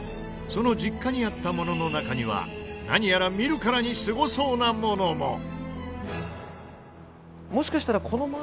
その実家にあったものの中には何やら見るからにすごそうなものも。